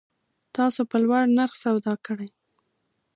تاسو په لوړ نرخ سودا کړی